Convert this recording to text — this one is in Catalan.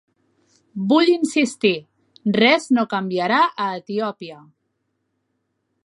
Vull insistir: res no canviarà a Etiòpia.